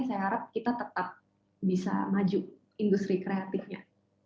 saya harap kita tetap bisa maju industri kreatifnya